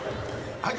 はい。